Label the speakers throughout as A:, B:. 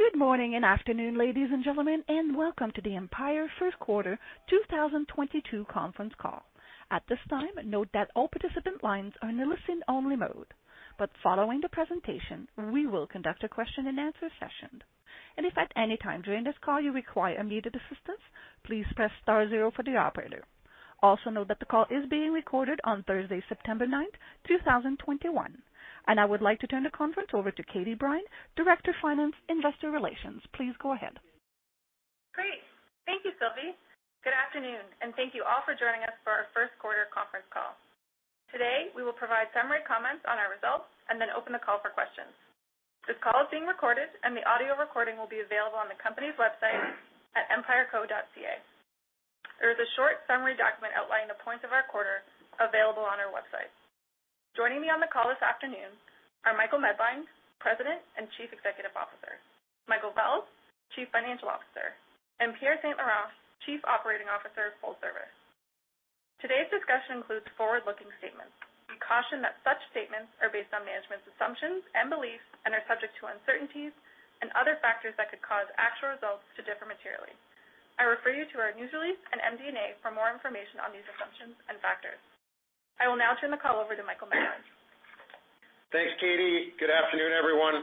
A: Good morning and afternoon, ladies and gentlemen, welcome to the Empire First Quarter 2022 Conference Call. At this time, note that all participant lines are in a listen-only mode. Following the presentation, we will conduct a question and answer session. If at any time during this call you require immediate assistance, please press star zero for the operator. Also note that the call is being recorded on Thursday, September 9th, 2021. I would like to turn the conference over to Katie Brine, Director of Finance Investor Relations. Please go ahead.
B: Great. Thank you, Sylvie. Good afternoon, and thank you all for joining us for our first quarter conference call. Today, we will provide summary comments on our results and then open the call for questions. This call is being recorded, and the audio recording will be available on the company's website at empireco.ca. There is a short summary document outlining the points of our quarter available on our website. Joining me on the call this afternoon are Michael Medline, President and Chief Executive Officer, Michael Vels, Chief Financial Officer, and Pierre St-Laurent, Chief Operating Officer, Full Service. Today's discussion includes forward-looking statements. We caution that such statements are based on management's assumptions and beliefs and are subject to uncertainties and other factors that could cause actual results to differ materially. I refer you to our news release and MD&A for more information on these assumptions and factors. I will now turn the call over to Michael Medline.
C: Thanks, Katie. Good afternoon, everyone.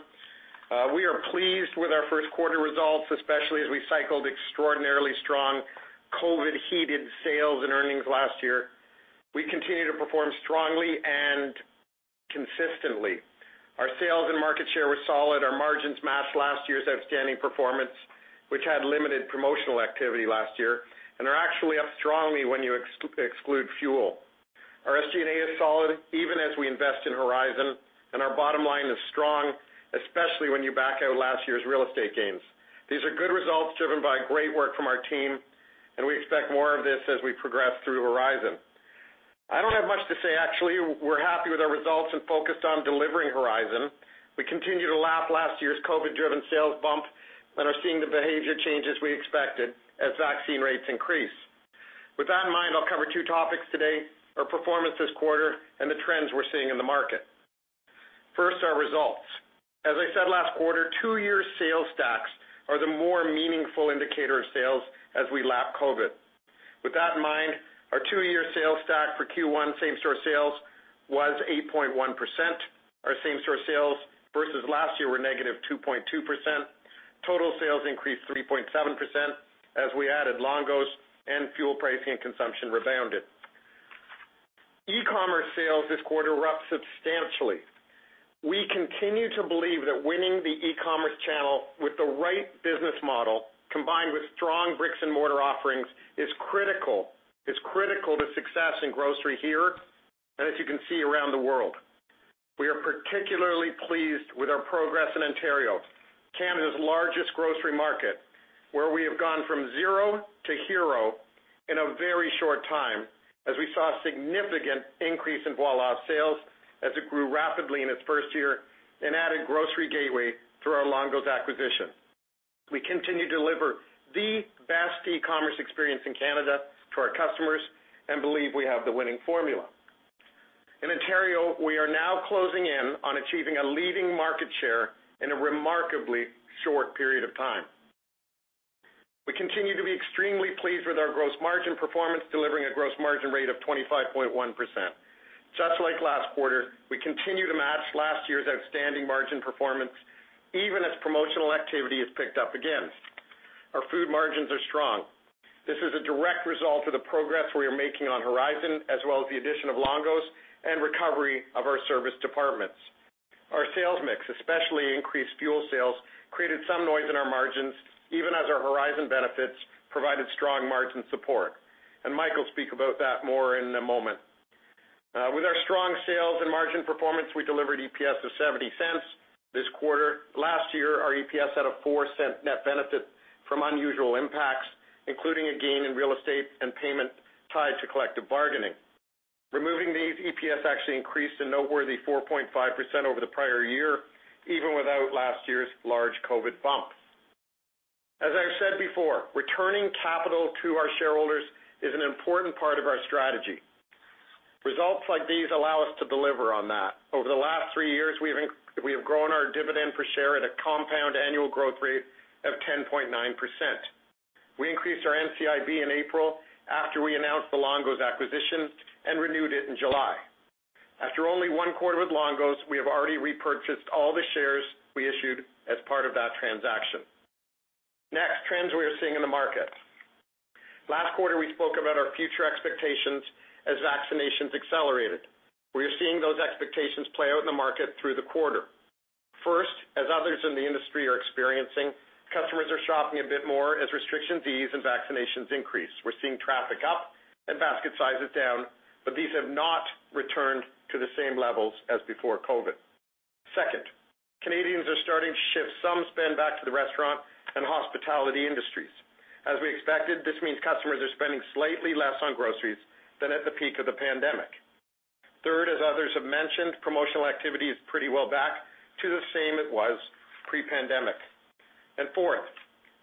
C: We are pleased with our first quarter results, especially as we cycled extraordinarily strong COVID-driven sales and earnings last year. We continue to perform strongly and consistently. Our sales and market share were solid. Our margins matched last year's outstanding performance, which had limited promotional activity last year and are actually up strongly when you exclude fuel. Our SG&A is solid even as we invest in Horizon, and our bottom line is strong, especially when you back out last year's real estate gains. These are good results driven by great work from our team, and we expect more of this as we progress through Horizon. I don't have much to say, actually. We're happy with our results and focused on delivering Horizon. We continue to lap last year's COVID-driven sales bump and are seeing the behavior changes we expected as vaccine rates increase. With that in mind, I'll cover two topics today, our performance this quarter and the trends we're seeing in the market. First, our results. As I said last quarter, two-year sales stacks are the more meaningful indicator of sales as we lap COVID. With that in mind, our two-year sales stack for Q1 same store sales was 8.1%. Our same store sales versus last year were -2.2%. Total sales increased 3.7% as we added Longo's and fuel pricing and consumption rebounded. E-commerce sales this quarter were up substantially. We continue to believe that winning the e-commerce channel with the right business model, combined with strong bricks and mortar offerings, is critical to success in grocery here, and as you can see, around the world. We are particularly pleased with our progress in Ontario, Canada's largest grocery market, where we have gone from zero to hero in a very short time as we saw a significant increase in Voilà's sales as it grew rapidly in its first year and added Grocery Gateway through our Longo's acquisition. We continue to deliver the best e-commerce experience in Canada to our customers and believe we have the winning formula. In Ontario, we are now closing in on achieving a leading market share in a remarkably short period of time. We continue to be extremely pleased with our gross margin performance, delivering a gross margin rate of 25.1%. Just like last quarter, we continue to match last year's outstanding margin performance, even as promotional activity has picked up again. Our food margins are strong. This is a direct result of the progress we are making on Horizon, as well as the addition of Longo's and recovery of our service departments. Our sales mix, especially increased fuel sales, created some noise in our margins, even as our Horizon benefits provided strong margin support. Mike will speak about that more in a moment. With our strong sales and margin performance, we delivered EPS of 0.70 this quarter. Last year, our EPS had a 0.04 net benefit from unusual impacts, including a gain in real estate and payment tied to collective bargaining. Removing these EPS actually increased a noteworthy 4.5% over the prior year, even without last year's large COVID bump. As I've said before, returning capital to our shareholders is an important part of our strategy. Results like these allow us to deliver on that. Over the last three years, we have grown our dividend per share at a compound annual growth rate of 10.9%. We increased our NCIB in April after we announced the Longo's acquisition and renewed it in July. After only one quarter with Longo's, we have already repurchased all the shares we issued as part of that transaction. Next, trends we are seeing in the market. Last quarter, we spoke about our future expectations as vaccinations accelerated. We are seeing those expectations play out in the market through the quarter. First, as others in the industry are experiencing, customers are shopping a bit more as restriction ease and vaccinations increase. We're seeing traffic up and basket sizes down, but these have not returned to the same levels as before COVID. Second, Canadians are starting to shift some spend back to the restaurant and hospitality industries. As we expected, this means customers are spending slightly less on groceries than at the peak of the pandemic. Third, as others have mentioned, promotional activity is pretty well back to the same it was pre-pandemic. Fourth,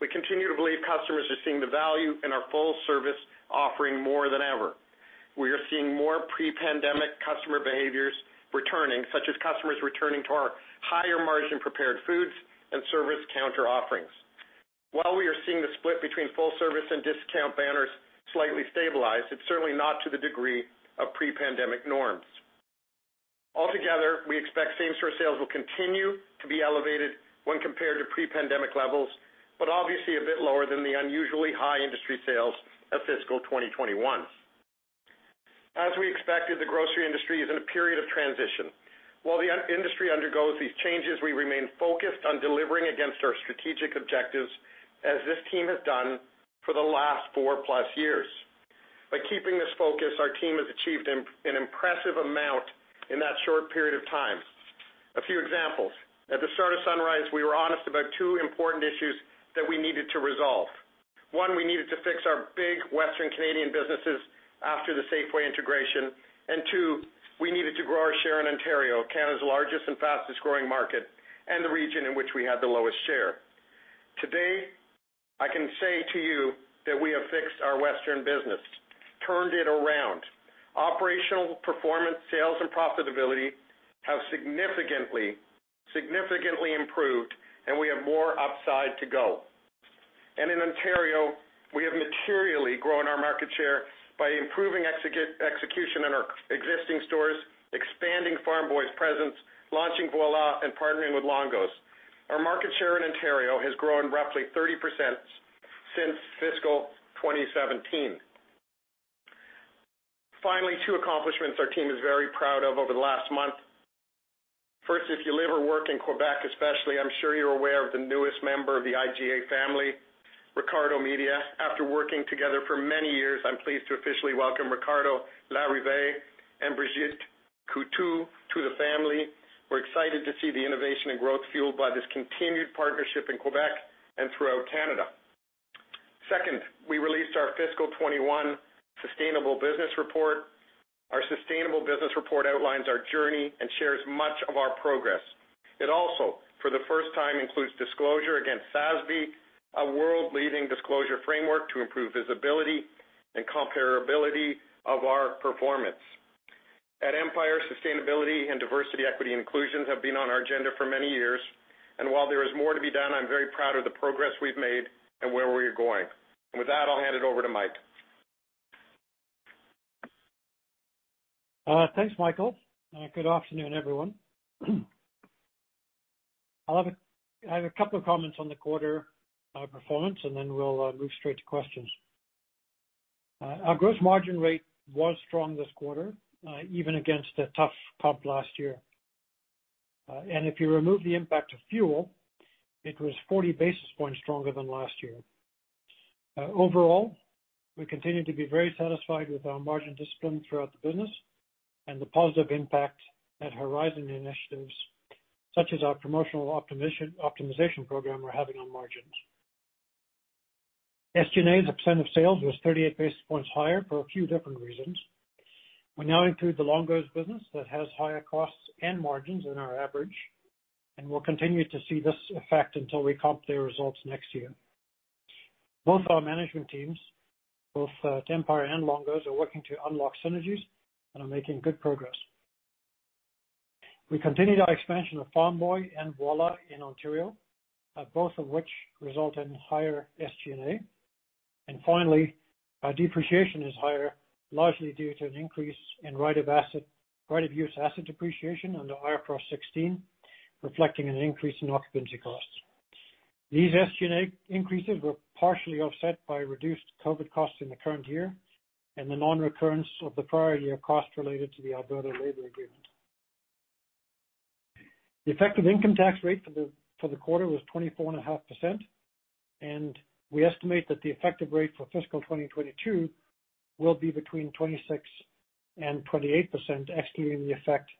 C: we continue to believe customers are seeing the value in our full service offering more than ever. We are seeing more pre-pandemic customer behaviors returning, such as customers returning to our higher margin prepared foods and service counter offerings. While we are seeing the split between full service and discount banners slightly stabilized, it's certainly not to the degree of pre-pandemic norms. Altogether, we expect same store sales will continue to be elevated when compared to pre-pandemic levels, but obviously a bit lower than the unusually high industry sales of fiscal 2021. As we expected, the grocery industry is in a period of transition. While the industry undergoes these changes, we remain focused on delivering against our strategic objectives as this team has done for the last four-plus years. By keeping this focus, our team has achieved an impressive amount in that short period of time. A few examples. At the start of Sunrise, we were honest about two important issues that we needed to resolve. One, we needed to fix our big Western Canadian businesses after the Safeway integration, and two, we needed to grow our share in Ontario, Canada's largest and fastest-growing market, and the region in which we had the lowest share. Today, I can say to you that we have fixed our Western business, turned it around. Operational performance, sales, and profitability have significantly improved and we have more upside to go. In Ontario, we have materially grown our market share by improving execution in our existing stores, expanding Farm Boy's presence, launching Voilà, and partnering with Longo's. Our market share in Ontario has grown roughly 30% since fiscal 2017. Finally, two accomplishments our team is very proud of over the last month. First, if you live or work in Quebec especially, I'm sure you're aware of the newest member of the IGA family, RICARDO Media. After working together for many years, I'm pleased to officially welcome Ricardo Larrivée and Brigitte Coutu to the family. We're excited to see the innovation and growth fueled by this continued partnership in Quebec and throughout Canada. Second, we released our fiscal 2021 sustainable business report. Our sustainable business report outlines our journey and shares much of our progress. It also, for the first time, includes disclosure against SASB, a world-leading disclosure framework to improve visibility and comparability of our performance. At Empire, sustainability and diversity, equity, and inclusions have been on our agenda for many years, and while there is more to be done, I'm very proud of the progress we've made and where we're going. With that, I'll hand it over to Mike.
D: Thanks, Michael. Good afternoon, everyone. I have a couple of comments on the quarter performance and then we'll move straight to questions. Our gross margin rate was strong this quarter, even against a tough comp last year. If you remove the impact of fuel, it was 40 basis points stronger than last year. Overall, we continue to be very satisfied with our margin discipline throughout the business and the positive impact that Horizon initiatives such as our promotional optimization program are having on margins. SG&A as a percentage of sales was 38 basis points higher for a few different reasons. We now include the Longo's business that has higher costs and margins than our average, and we'll continue to see this effect until we comp their results next year. Both our management teams, both Empire and Longo's, are working to unlock synergies and are making good progress. We continued our expansion of Farm Boy and Voilà in Ontario, both of which result in higher SG&A. Finally, our depreciation is higher, largely due to an increase in right of use asset depreciation under IFRS 16, reflecting an increase in occupancy costs. These SG&A increases were partially offset by reduced COVID costs in the current year and the non-recurrence of the prior year cost related to the Alberta labor agreement. The effective income tax rate for the quarter was 24.5%, and we estimate that the effective rate for fiscal 2022 will be between 26% and 28%, excluding the effect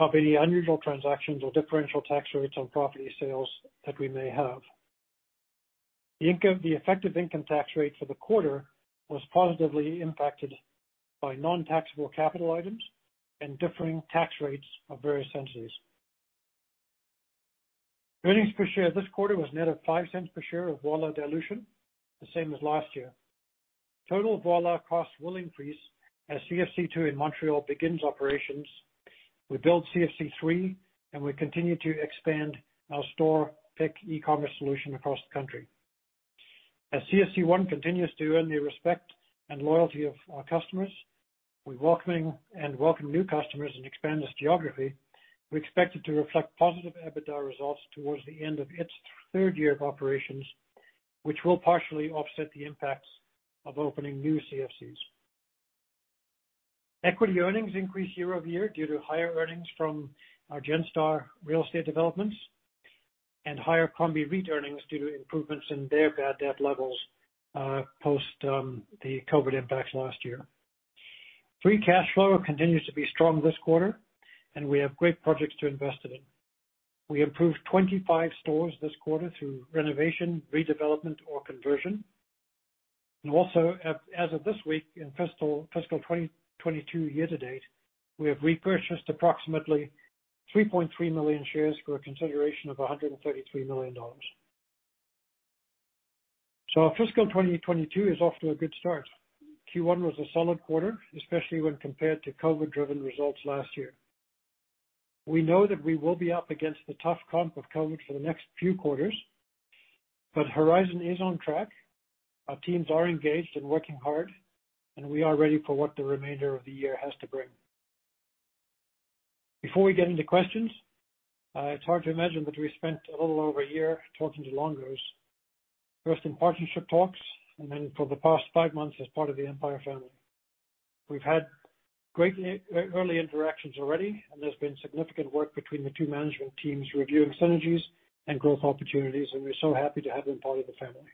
D: of any unusual transactions or differential tax rates on property sales that we may have. The effective income tax rate for the quarter was positively impacted by non-taxable capital items and differing tax rates of various entities. Earnings per share this quarter was net of 0.05 per share of Voilà dilution, the same as last year. Total Voilà costs will increase as CFC 2 in Montreal begins operations. We build CFC 3, and we continue to expand our store pick e-commerce solution across the country. As CFC 1 continues to earn the respect and loyalty of our customers, and welcome new customers and expand its geography, we expect it to reflect positive EBITDA results towards the end of its third year of operations, which will partially offset the impacts of opening new CFCs. Equity earnings increased year-over-year due to higher earnings from our Genstar real estate developments and higher Crombie REIT earnings due to improvements in their bad debt levels, post the COVID impacts last year. Free cash flow continues to be strong this quarter, and we have great projects to invest in it. We improved 25 stores this quarter through renovation, redevelopment, or conversion. Also, as of this week in fiscal 2022 year to date, we have repurchased approximately 3.3 million shares for a consideration of 133 million dollars. Our fiscal 2022 is off to a good start. Q1 was a solid quarter, especially when compared to COVID-driven results last year. We know that we will be up against the tough comp of COVID for the next few quarters, but Horizon is on track. Our teams are engaged and working hard, and we are ready for what the remainder of the year has to bring. Before we get into questions, it's hard to imagine that we spent a little over a year talking to Longo's, first in partnership talks, and then for the past five months as part of the Empire family. We've had great early interactions already, and there's been significant work between the two management teams reviewing synergies and growth opportunities, and we're so happy to have them part of the family.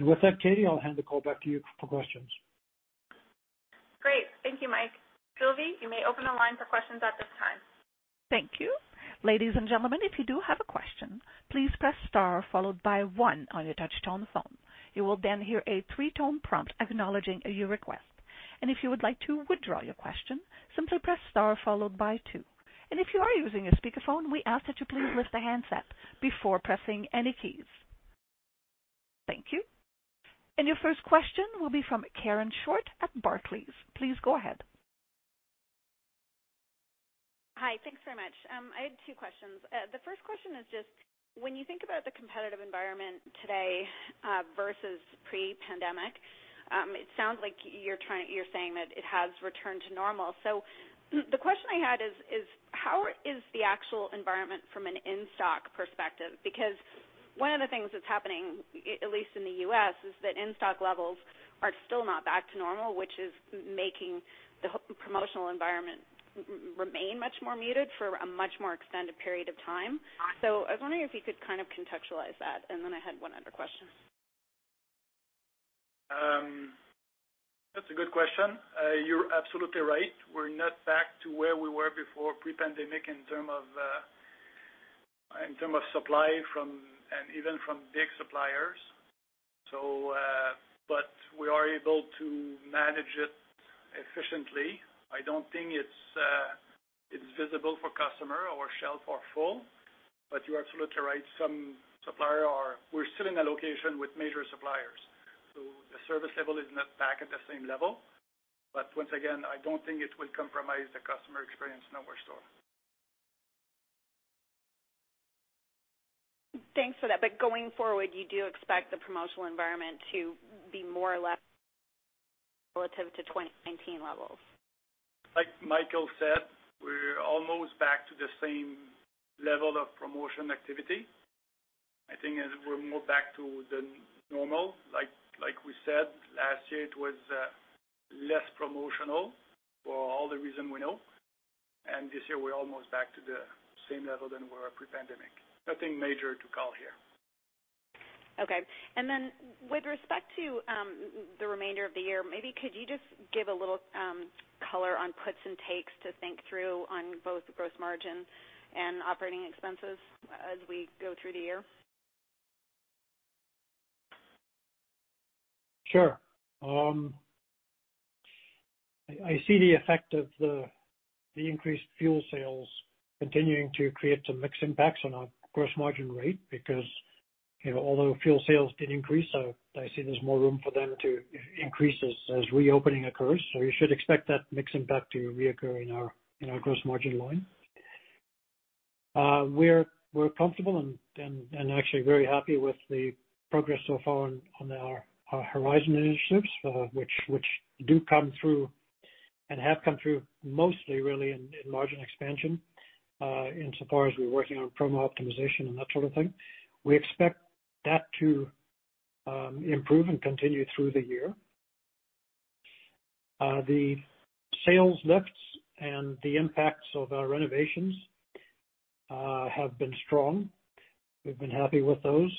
D: With that, Katie, I'll hand the call back to you for questions.
B: Great. Thank you, Mike. Sylvie, you may open the line for questions at this time.
A: Thank you. Ladies and gentlemen, if you do have a question, please press star followed by one on your touch-tone phone. You will then hear a three-tone prompt acknowledging your request. If you would like to withdraw your question, simply press star followed by two. If you are using a speakerphone, we ask that you please lift the handset before pressing any keys. Thank you. Your first question will be from Karen Short at Barclays. Please go ahead.
E: Hi. Thanks very much. I had two questions. The first question is just when you think about the competitive environment today, versus pre-pandemic, it sounds like you're saying that it has returned to normal. The question I had is how is the actual environment from an in-stock perspective? One of the things that's happening, at least in the U.S., is that in-stock levels are still not back to normal, which is making the promotional environment remain much more muted for a much more extended period of time. I was wondering if you could kind of contextualize that. I had one other question.
F: That's a good question. You're absolutely right. We're not back to where we were before pre-pandemic in term of supply and even from big suppliers. We are able to manage it efficiently. I don't think it's visible for customer or shelf are full, but you're absolutely right, we're still in allocation with major suppliers, so the service level is not back at the same level. Once again, I don't think it will compromise the customer experience in our store.
E: Thanks for that. Going forward, you do expect the promotional environment to be more or less relative to 2019 levels?
F: Like Michael said, we're almost back to the same level of promotion activity. I think as we're more back to the normal, like we said, last year, it was less promotional for all the reasons we know. This year we're almost back to the same level than we were pre-pandemic. Nothing major to call here.
E: Okay. With respect to the remainder of the year, maybe could you just give a little color on puts and takes to think through on both gross margin and operating expenses as we go through the year?
D: Sure. I see the effect of the increased fuel sales continuing to create some mixed impacts on our gross margin rate because although fuel sales did increase, so I see there's more room for them to increase as reopening occurs. You should expect that mix impact to reoccur in our gross margin line. We're comfortable and actually very happy with the progress so far on our Horizon initiatives, which do come through and have come through mostly really in margin expansion, insofar as we're working on promo optimization and that sort of thing. We expect that to improve and continue through the year. The sales lifts and the impacts of our renovations have been strong. We've been happy with those.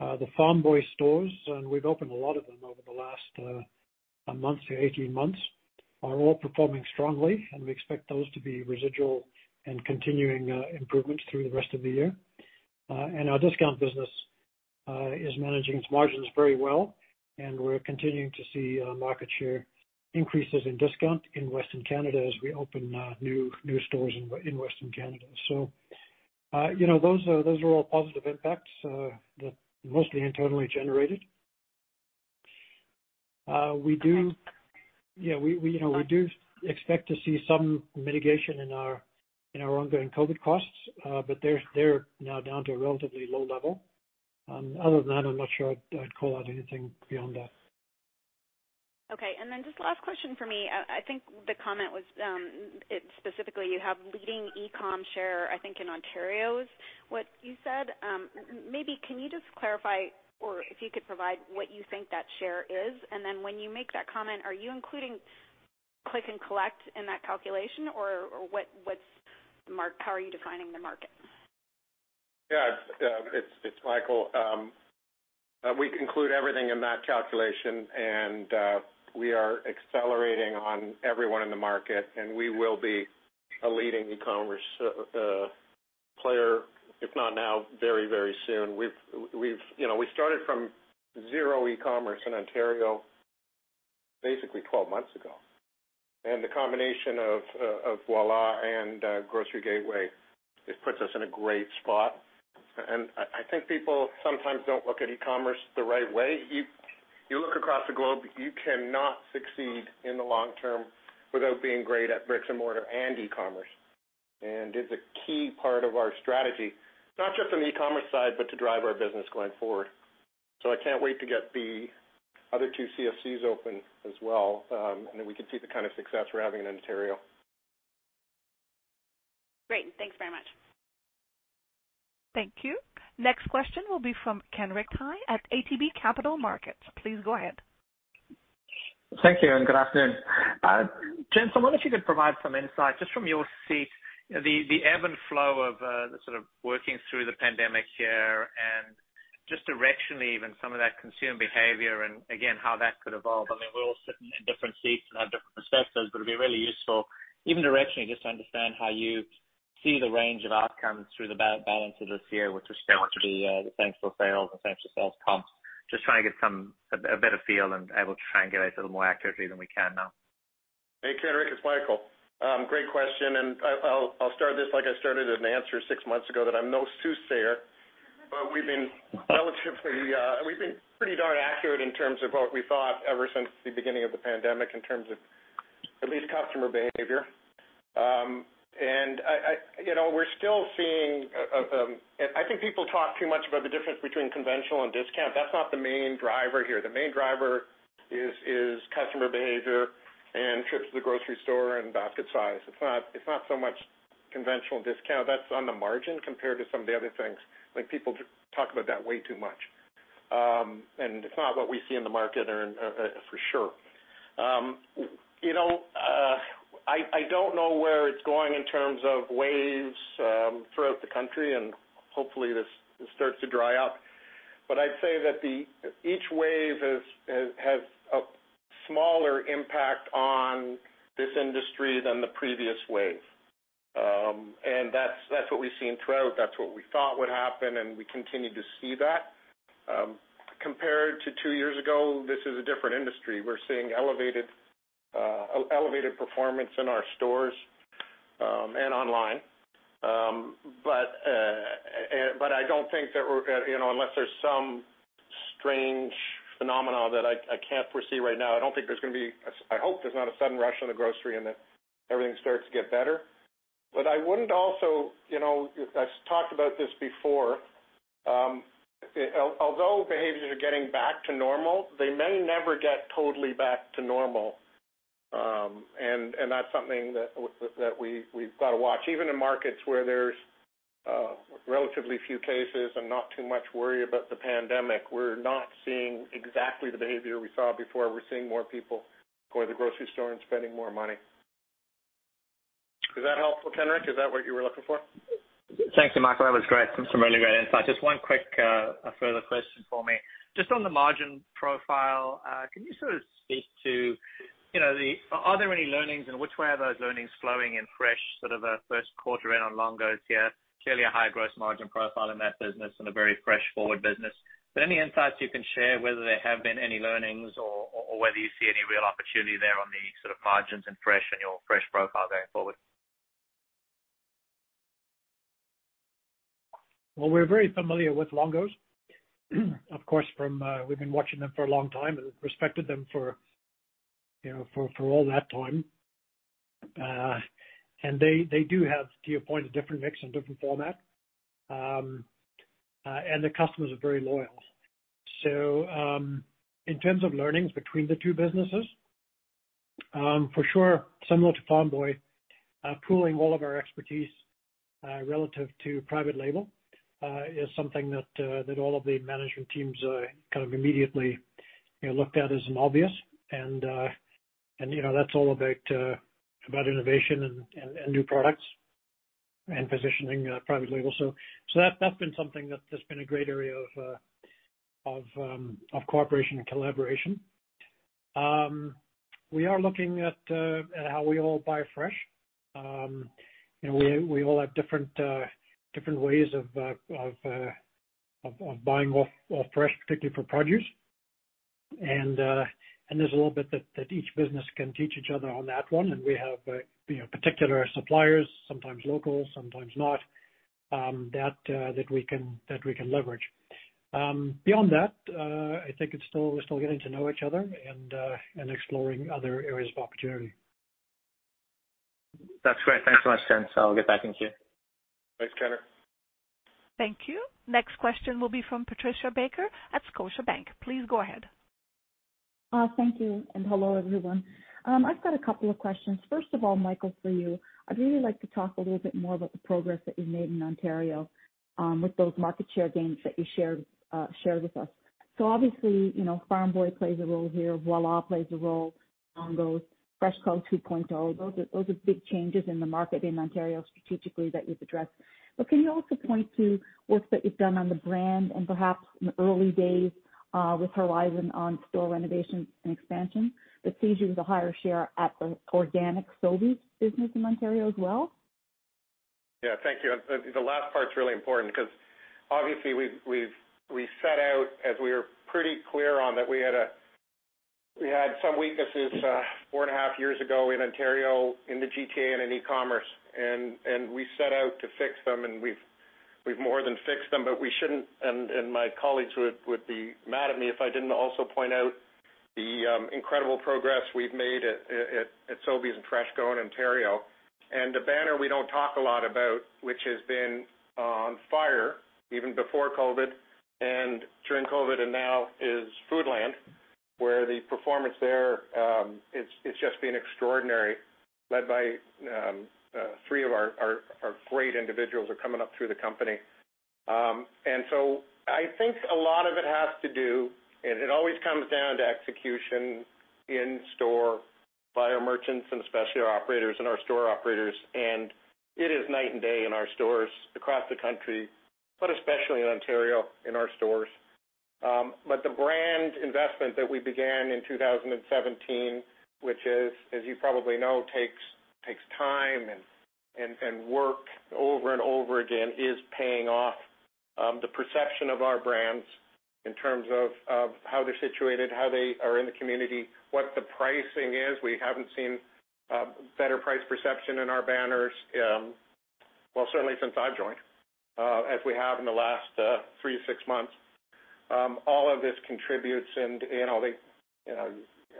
D: The Farm Boy stores, we've opened a lot of them over the last months, 18 months, are all performing strongly. We expect those to be residual and continuing improvements through the rest of the year. Our discount business is managing its margins very well, and we're continuing to see market share increases in discount in Western Canada as we open new stores in Western Canada. Those are all positive impacts that mostly internally generated. We do expect to see some mitigation in our ongoing COVID costs, but they're now down to a relatively low level. Other than that, I'm not sure I'd call out anything beyond that.
E: Okay, just last question for me. I think the comment was, specifically you have leading e-com share, I think in Ontario is what you said. Maybe can you just clarify or if you could provide what you think that share is, when you make that comment, are you including click and collect in that calculation or how are you defining the market?
C: It's Michael. We include everything in that calculation. We are accelerating on everyone in the market. We will be a leading e-commerce player, if not now, very soon. We started from zero e-commerce in Ontario. Basically 12 months ago. The combination of Voilà and Grocery Gateway, it puts us in a great spot. I think people sometimes don't look at e-commerce the right way. You look across the globe, you cannot succeed in the long term without being great at bricks and mortar and e-commerce. It's a key part of our strategy, not just on the e-commerce side, but to drive our business going forward. I can't wait to get the other two CFCs open as well. Then we can see the kind of success we're having in Ontario.
E: Great. Thanks very much.
A: Thank you. Next question will be from Kenric Tyghe at ATB Capital Markets. Please go ahead.
G: Thank you, and good afternoon. Gents, I wonder if you could provide some insight just from your seat, the ebb and flow of the sort of working through the pandemic here and just directionally even some of that consumer behavior and again, how that could evolve. I mean, we're all sitting in different seats and have different perspectives, but it'd be really useful even directionally just to understand how you see the range of outcomes through the balance of this year with respect to the same store sales and same store sales comps. Just trying to get a better feel and able to triangulate a little more accurately than we can now.
C: Hey, Kenric, it's Michael. Great question. I'll start this like I started an answer six months ago, that I'm no soothsayer, but we've been pretty darn accurate in terms of what we thought ever since the beginning of the pandemic in terms of at least customer behavior. I think people talk too much about the difference between conventional and discount. That's not the main driver here. The main driver is customer behavior and trips to the grocery store and basket size. It's not so much conventional discount. That's on the margin compared to some of the other things. People talk about that way too much. It's not what we see in the market for sure. I don't know where it's going in terms of waves throughout the country, and hopefully this starts to dry up. I'd say that each wave has a smaller impact on this industry than the previous wave. That's what we've seen throughout. That's what we thought would happen, and we continue to see that. Compared to two years ago, this is a different industry. We're seeing elevated performance in our stores, and online. I don't think that unless there's some strange phenomenon that I can't foresee right now, I hope there's not a sudden rush on the grocery and that everything starts to get better. I've talked about this before. Although behaviors are getting back to normal, they may never get totally back to normal, and that's something that we've got to watch. Even in markets where there's relatively few cases and not too much worry about the pandemic, we're not seeing exactly the behavior we saw before. We're seeing more people go to the grocery store and spending more money. Is that helpful, Kenric? Is that what you were looking for?
G: Thank you, Michael. That was great. Some really great insight. Just one quick further question for me. Just on the margin profile, can you sort of speak to are there any learnings and which way are those learnings flowing in fresh sort of a first quarter in on Longo's here? Clearly a high gross margin profile in that business and a very fresh forward business. Any insights you can share whether there have been any learnings or whether you see any real opportunity there on the sort of margins in fresh and your fresh profile going forward?
D: Well, we're very familiar with Longo's. Of course, we've been watching them for a long time and respected them for all that time. They do have, to your point, a different mix and different format. The customers are very loyal. In terms of learnings between the two businesses, for sure, similar to Farm Boy, pooling all of our expertise, relative to private label, is something that all of the management teams kind of immediately looked at as an obvious. That's all about innovation and new products and positioning private label. That's been something that's been a great area of cooperation and collaboration. We are looking at how we all buy fresh. We all have different ways of buying off fresh, particularly for produce. There's a little bit that each business can teach each other on that one. We have particular suppliers, sometimes local, sometimes not, that we can leverage. Beyond that, I think we're still getting to know each other and exploring other areas of opportunity.
G: That's great. Thanks so much, gents. I'll get back in queue.
C: Thanks, Kenric.
A: Thank you. Next question will be from Patricia Baker at Scotiabank. Please go ahead.
H: Thank you, and hello, everyone. I've got a couple of questions. First of all, Michael, for you. I'd really like to talk a little bit more about the progress that you've made in Ontario, with those market share gains that you shared with us. Obviously, Farm Boy plays a role here. Voilà plays a role. Longo's, FreshCo 2.0. Those are big changes in the market in Ontario strategically that you've addressed. Can you also point to work that you've done on the brand and perhaps in the early days, with Horizon on store renovations and expansion that sees you with a higher share at the organic Sobeys business in Ontario as well?
C: Yeah. Thank you. The last part's really important because obviously we set out as we were pretty clear on that we had some weaknesses four and a half years ago in Ontario, in the GTA, and in e-commerce. We set out to fix them, and we've more than fixed them. My colleagues would be mad at me if I didn't also point out the incredible progress we've made at Sobeys and FreshCo in Ontario. A banner we don't talk a lot about, which has been on fire even before COVID and during COVID and now, is Foodland, where the performance there, it's just been extraordinary, led by three of our great individuals who are coming up through the company. I think a lot of it has to do, and it always comes down to execution in store by our merchants and especially our operators and our store operators. It is night and day in our stores across the country, but especially in Ontario in our stores. The brand investment that we began in 2017, which as you probably know, takes time and work over and over again, is paying off. The perception of our brands in terms of how they're situated, how they are in the community, what the pricing is. We haven't seen better price perception in our banners, well, certainly since I've joined, as we have in the last three to six months. All of this contributes and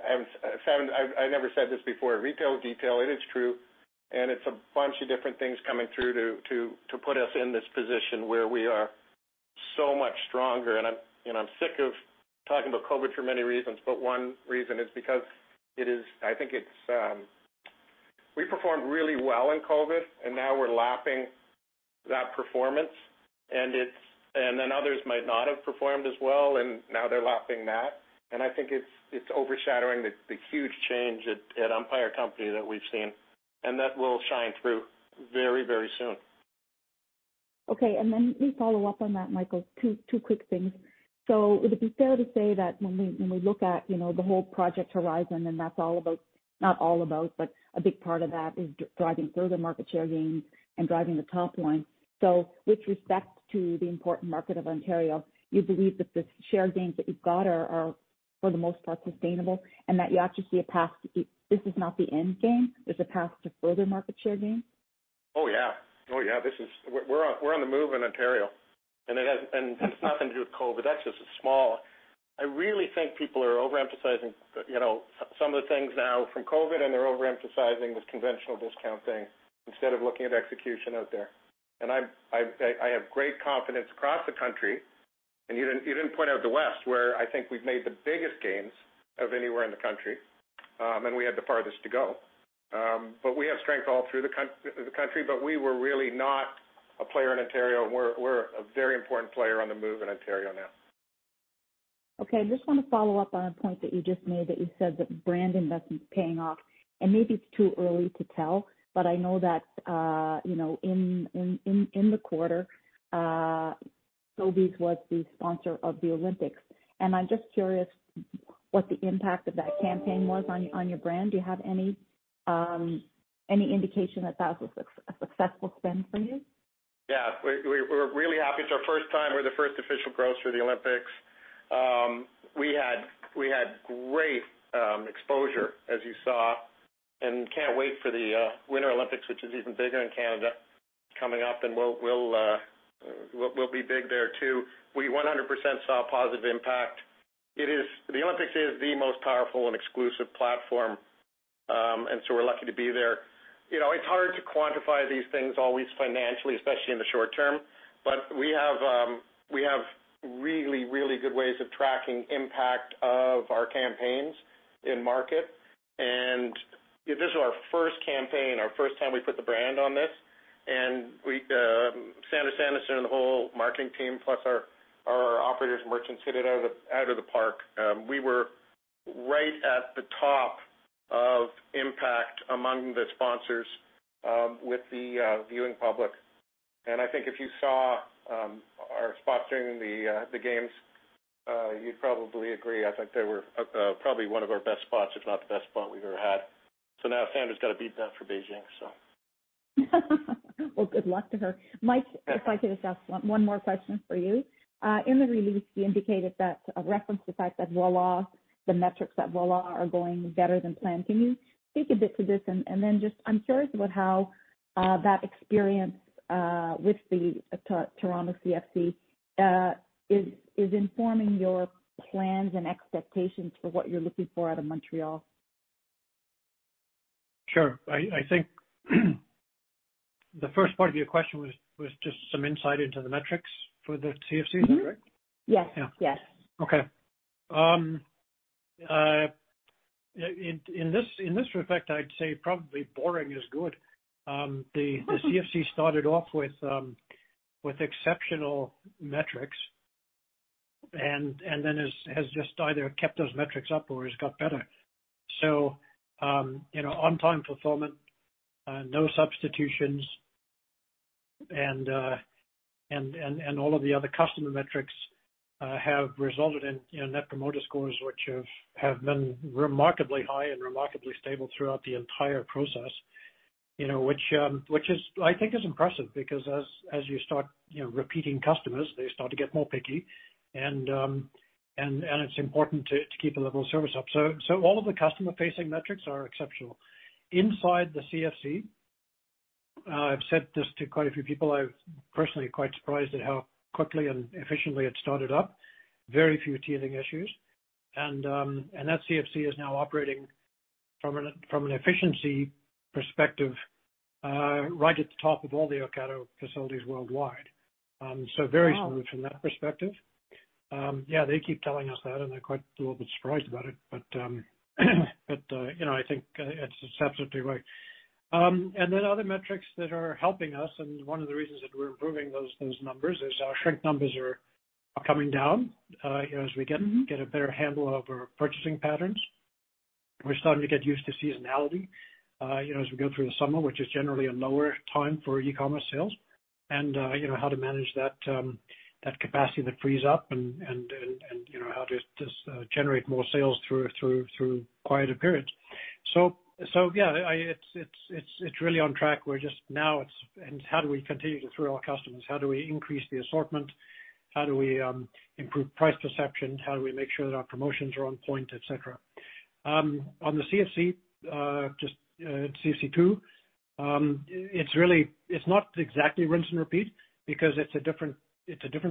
C: I never said this before, retail detail, it is true, and it's a bunch of different things coming through to put us in this position where we are so much stronger. I'm sick of talking about COVID for many reasons, but one reason is because we performed really well in COVID, and now we're lapping that performance. Others might not have performed as well, and now they're lapping that. I think it's overshadowing the huge change at Empire Company that we've seen. That will shine through very soon.
H: Okay. Let me follow up on that, Michael, two quick things. Would it be fair to say that when we look at the whole Project Horizon, and that's not all about, but a big part of that is driving further market share gains and driving the top line? With respect to the important market of Ontario, you believe that the share gains that you've got are for the most part sustainable, and that you actually see a path, this is not the end game, there's a path to further market share gains?
C: Oh, yeah. We're on the move in Ontario. It's nothing to do with COVID. I really think people are overemphasizing some of the things now from COVID, and they're overemphasizing this conventional discount thing instead of looking at execution out there. I have great confidence across the country, and you didn't point out the West, where I think we've made the biggest gains of anywhere in the country, and we had the farthest to go. We have strength all through the country, but we were really not a player in Ontario, and we're a very important player on the move in Ontario now.
H: Okay. I just want to follow up on a point that you just made, that you said that brand investment's paying off, and maybe it's too early to tell, but I know that in the quarter, Sobeys was the sponsor of the Olympics. I'm just curious what the impact of that campaign was on your brand. Do you have any indication that that was a successful spend for you?
C: We're really happy. It's our first time. We're the first official grocer of the Olympics. We had great exposure, as you saw, and can't wait for the Winter Olympics, which is even bigger in Canada, coming up, and we'll be big there, too. We 100% saw a positive impact. The Olympics is the most powerful and exclusive platform, and so we're lucky to be there. It's hard to quantify these things always financially, especially in the short term. We have really good ways of tracking impact of our campaigns in market. This was our first campaign, our first time we put the brand on this, and Sandra Sanderson and the whole marketing team, plus our operators and merchants hit it out of the park. We were right at the top of impact among the sponsors with the viewing public. I think if you saw our spots during the games, you'd probably agree. I think they were probably one of our best spots, if not the best spot we've ever had. Now Sandra's got to beat that for Beijing.
H: Good luck to her. Mike, if I could just ask one more question for you. In the release, you indicated that a reference to fact that the metrics at Voilà are going better than planned. Can you speak a bit to this? Then just, I'm curious about how that experience with the Toronto CFC is informing your plans and expectations for what you're looking for out of Montreal.
D: Sure. I think the first part of your question was just some insight into the metrics for the CFC, is that correct?
H: Mm-hmm. Yes.
D: Yeah.
H: Yes.
D: In this respect, I'd say probably boring is good. The CFC started off with exceptional metrics, has just either kept those metrics up or has got better. On time fulfillment, no substitutions, and all of the other customer metrics have resulted in Net Promoter Scores, which have been remarkably high and remarkably stable throughout the entire process. I think is impressive, because as you start repeating customers, they start to get more picky, and it's important to keep the level of service up. All of the customer-facing metrics are exceptional. Inside the CFC, I've said this to quite a few people, I'm personally quite surprised at how quickly and efficiently it started up. Very few teething issues. That CFC is now operating from an efficiency perspective, right at the top of all the Ocado facilities worldwide. Very smooth from that perspective. Yeah, they keep telling us that, and they're quite a little bit surprised about it. I think it's absolutely right. Other metrics that are helping us, and one of the reasons that we're improving those numbers is our shrink numbers are coming down as we get a better handle over purchasing patterns. We're starting to get used to seasonality, as we go through the summer, which is generally a lower time for e-commerce sales, and how to manage that capacity that frees up and how to generate more sales through quieter periods. Yeah, it's really on track. We're just now, how do we continue to thrill our customers? How do we increase the assortment? How do we improve price perception? How do we make sure that our promotions are on point, et cetera? On the CFC, just CFC 2, it's not exactly rinse and repeat because it's a different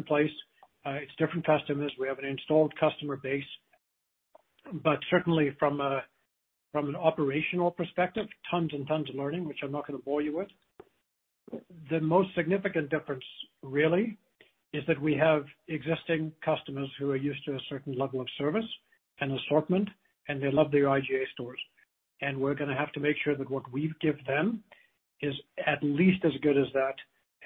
D: place. It's different customers. We have an in-store customer base. Certainly from an operational perspective, tons and tons of learning, which I'm not gonna bore you with. The most significant difference really is that we have existing customers who are used to a certain level of service and assortment, and they love their IGA stores. We're gonna have to make sure that what we give them is at least as good as that,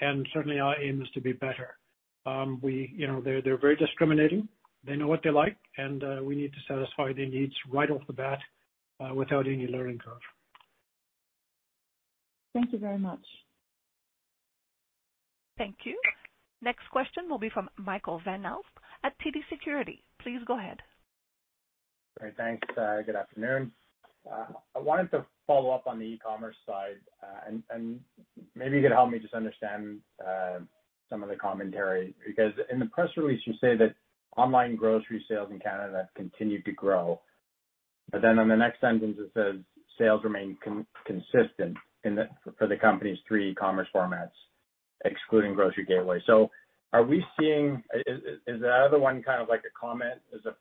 D: and certainly our aim is to be better. They're very discriminating. They know what they like, and we need to satisfy their needs right off the bat, without any learning curve.
H: Thank you very much.
A: Thank you. Next question will be from Michael Van Aelst at TD Securities. Please go ahead.
I: Great. Thanks. Good afternoon. I wanted to follow up on the e-commerce side, and maybe you could help me just understand some of the commentary. In the press release, you say that online grocery sales in Canada continued to grow. On the next sentence, it says sales remain consistent for the company's three e-commerce formats, excluding Grocery Gateway. Is the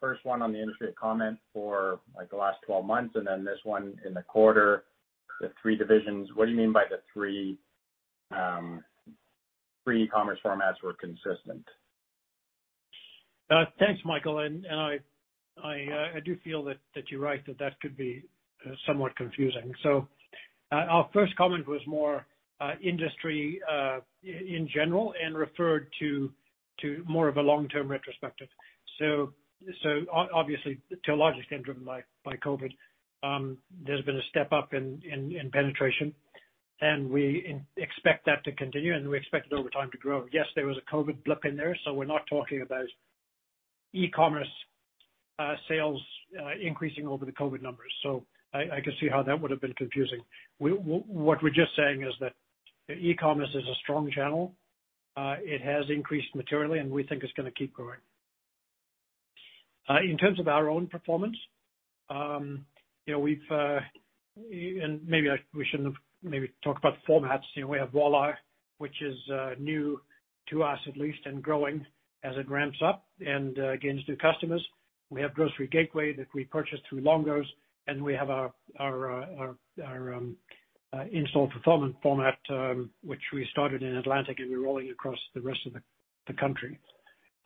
I: first one on the industry a comment for the last 12 months, and then this one in the quarter, the three divisions? What do you mean by the three e-commerce formats were consistent?
D: Thanks, Michael. I do feel that you're right that that could be somewhat confusing. Our first comment was more industry in general and referred to more of a long-term retrospective. Obviously, to a large extent driven by COVID, there's been a step-up in penetration, and we expect that to continue, and we expect it over time to grow. Yes, there was a COVID blip in there, we're not talking about e-commerce sales increasing over the COVID numbers. I can see how that would've been confusing. What we're just saying is that e-commerce is a strong channel. It has increased materially, and we think it's going to keep growing. In terms of our own performance, maybe we shouldn't have talked about formats. We have Voilà, which is new to us at least, and growing as it ramps up and gains new customers. We have Grocery Gateway that we purchased through Longo's, and we have our installed fulfillment format, which we started in Atlantic, and we're rolling across the rest of the country.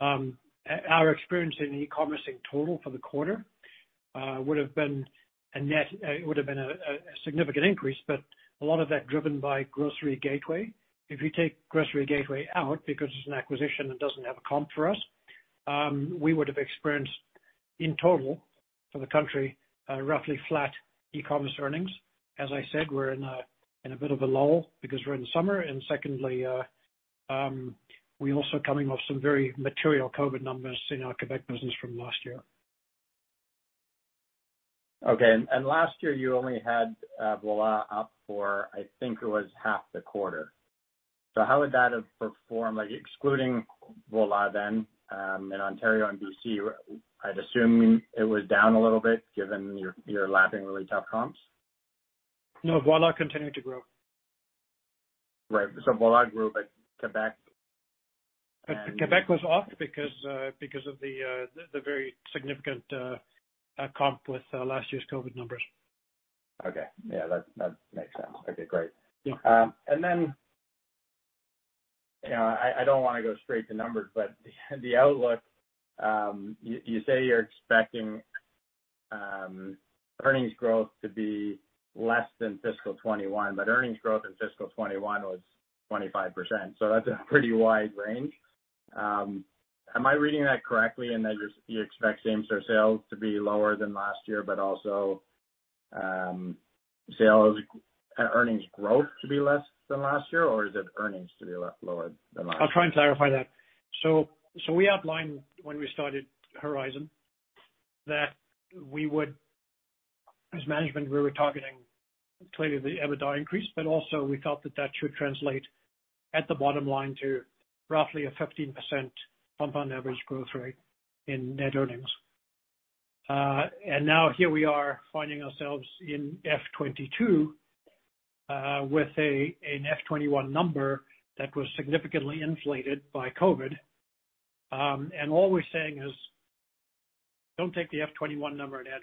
D: Our experience in e-commerce in total for the quarter would've been a significant increase, but a lot of that driven by Grocery Gateway. If you take Grocery Gateway out, because it's an acquisition, it doesn't have a comp for us, we would've experienced in total for the country, roughly flat e-commerce earnings. As I said, we're in a bit of a lull because we're in the summer. Secondly, we're also coming off some very material COVID numbers in our Quebec business from last year.
I: Okay. Last year, you only had Voilà up for, I think it was half the quarter. How would that have performed, excluding Voilà then, in Ontario and B.C.? I'd assume it was down a little bit given you're lapping really tough comps.
D: No. Voilà continued to grow.
I: Right. Voilà grew, but Quebec and-
D: Quebec was off because of the very significant comp with last year's COVID numbers.
I: Okay. Yeah, that makes sense. Okay, great.
D: Yeah.
I: I don't want to go straight to numbers, the outlook, you say you're expecting earnings growth to be less than fiscal 2021, earnings growth in fiscal 2021 was 25%. That's a pretty wide range. Am I reading that correctly in that you expect same store sales to be lower than last year, but also earnings growth to be less than last year, or is it earnings to be lower than last year?
D: I'll try and clarify that. We outlined when we started Horizon that as management, we were targeting clearly the EBITDA increase, but also we felt that that should translate at the bottom line to roughly a 15% compound average growth rate in net earnings. Now here we are finding ourselves in F 2022, with an F 2021 number that was significantly inflated by COVID. All we're saying is, don't take the F 2021 number and add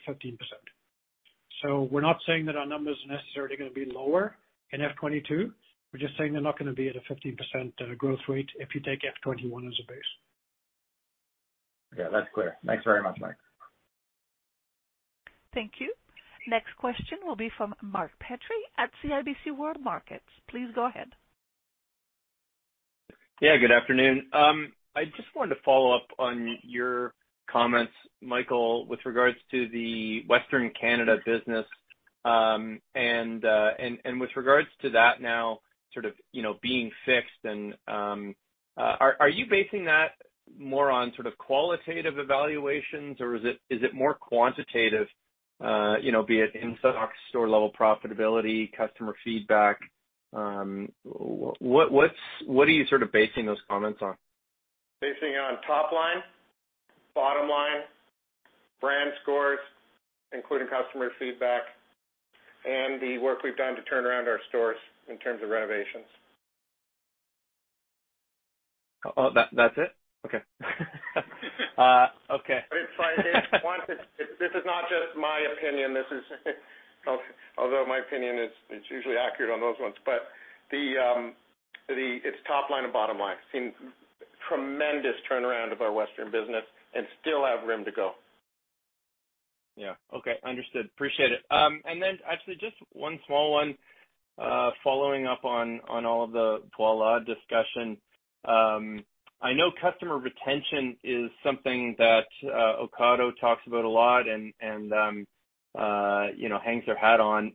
D: 15%. We're not saying that our numbers are necessarily going to be lower in F 2022. We're just saying they're not going to be at a 15% growth rate if you take F 2021 as a base.
I: Okay, that's clear. Thanks very much, Mike.
A: Thank you. Next question will be from Mark Petrie at CIBC World Markets. Please go ahead.
J: Yeah, good afternoon. I just wanted to follow up on your comments, Michael, with regards to the Western Canada business. With regards to that now sort of being fixed, are you basing that more on sort of qualitative evaluations or is it more quantitative, be it in-stock store level profitability, customer feedback? What are you sort of basing those comments on?
C: Basing it on top line, bottom line, brand scores, including customer feedback, and the work we've done to turn around our stores in terms of renovations.
J: Oh, that's it? Okay.
C: This is not just my opinion. My opinion is usually accurate on those ones, but it's top line and bottom line. We've seen tremendous turnaround of our Western business and still have room to go.
J: Yeah. Okay, understood. Appreciate it. Actually just one small one following up on all of the Voilà discussion. I know customer retention is something that Ocado talks about a lot and hangs their hat on.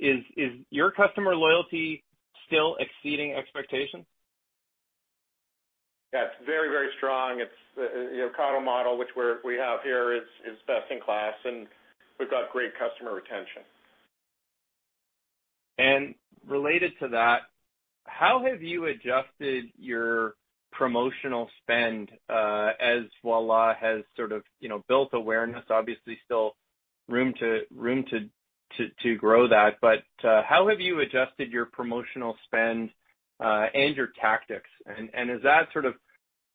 J: Is your customer loyalty still exceeding expectations?
C: Yeah, it's very, very strong. The Ocado model, which we have here, is best in class, and we've got great customer retention.
J: Related to that, how have you adjusted your promotional spend as Voilà has sort of built awareness? Obviously, still room to grow that. How have you adjusted your promotional spend and your tactics? Is that sort of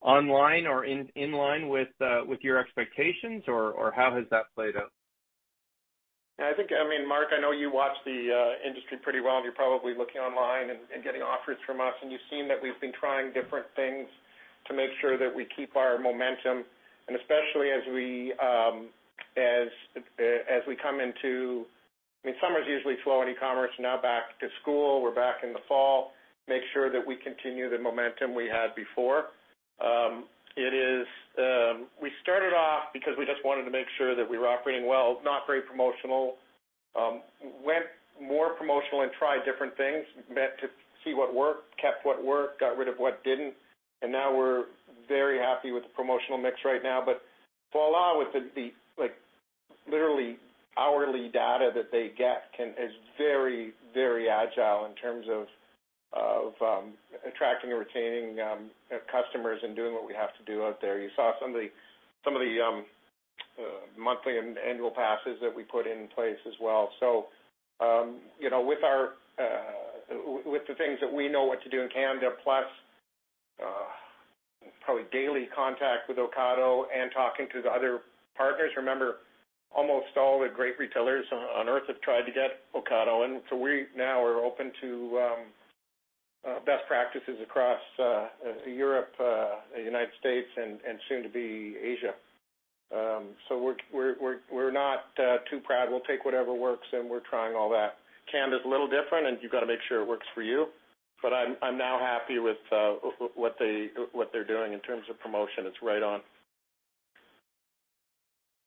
J: in line with your expectations, or how has that played out?
C: Mark, I know you watch the industry pretty well, and you're probably looking online and getting offers from us, and you've seen that we've been trying different things to make sure that we keep our momentum. Summer's usually slow in e-commerce. Back to school, we're back in the fall, make sure that we continue the momentum we had before. We started off because we just wanted to make sure that we were operating well, not very promotional. Went more promotional and tried different things to see what worked, kept what worked, got rid of what didn't, and now we're very happy with the promotional mix right now. Voilà with the literally hourly data that they get is very, very agile in terms of attracting and retaining customers and doing what we have to do out there. You saw some of the monthly and annual passes that we put in place as well. With the things that we know what to do in Canada plus probably daily contact with Ocado and talking to the other partners. Remember, almost all the great retailers on Earth have tried to get Ocado in. We now are open to best practices across Europe, the United States, and soon-to-be Asia. We're not too proud. We'll take whatever works, and we're trying all that. Canada's a little different, and you've got to make sure it works for you. I'm now happy with what they're doing in terms of promotion. It's right on.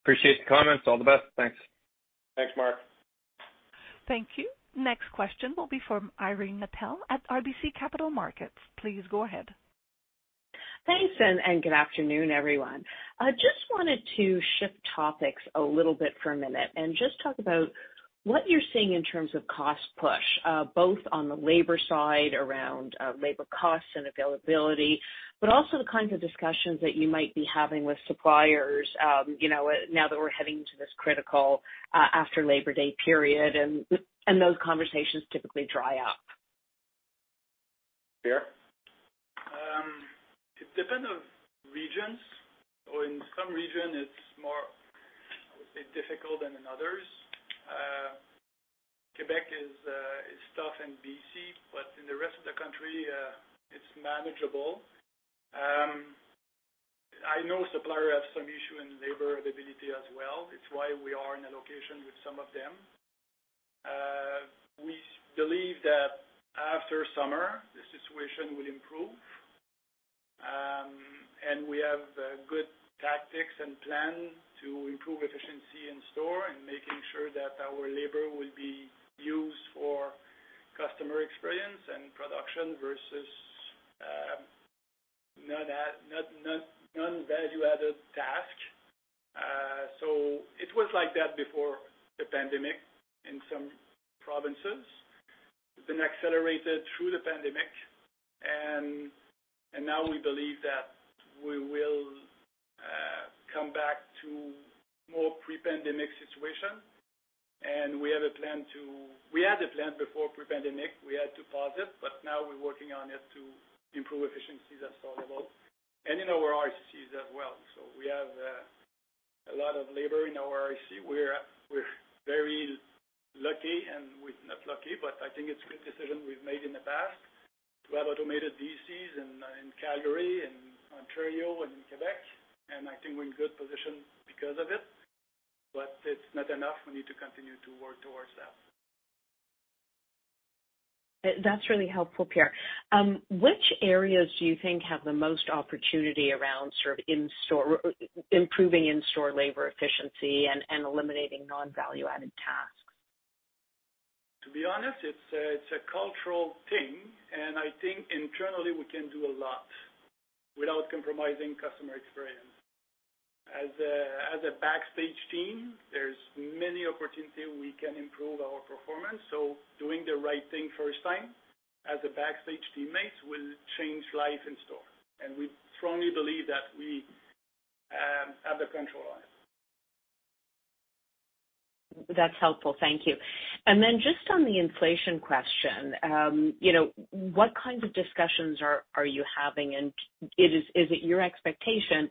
J: Appreciate the comments. All the best. Thanks.
C: Thanks, Mark.
A: Thank you. Next question will be from Irene Nattel at RBC Capital Markets. Please go ahead.
K: Thanks, and good afternoon, everyone. Just wanted to shift topics a little bit for a minute and just talk about what you're seeing in terms of cost push both on the labor side around labor costs and availability, but also the kinds of discussions that you might be having with suppliers now that we're heading to this critical after Labor Day period and those conversations typically dry up.
C: Pierre?
F: It depends on regions. In some region, it's more, I would say, difficult than in others. Quebec is tough and B.C., but in the rest of the country, it's manageable. I know suppliers have some issue in labor availability as well. It's why we are in a location with some of them. We believe that after summer, the situation will improve. We have good tactics and plan to improve efficiency in store and making sure that our labor will be used for customer experience and production versus non-value-added tasks. It was like that before the pandemic in some provinces. It's been accelerated through the pandemic, and now we believe that we will come back to more pre-pandemic situation. We had a plan before pre-pandemic, we had to pause it, but now we're working on it to improve efficiencies at store level and in our DCs as well. We have a lot of labor in our DC. We are very lucky, and, we are not lucky, but I think it is a good decision we have made in the past to have automated DCs in Calgary and Ontario and Quebec, and I think we are in good position because of it. It is not enough. We need to continue to work towards that.
K: That's really helpful, Pierre. Which areas do you think have the most opportunity around improving in-store labor efficiency and eliminating non-value-added tasks?
F: To be honest, it's a cultural thing, and I think internally we can do a lot without compromising customer experience. As a backstage team, there's many opportunity we can improve our performance. Doing the right thing first time as a backstage teammate will change life in store. We strongly believe that we have the control on it.
K: That's helpful. Thank you. Just on the inflation question, what kinds of discussions are you having? Is it your expectation that